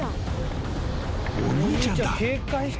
［お兄ちゃんだ］